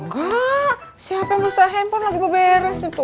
enggak si hp mustahil handphone lagi berberes itu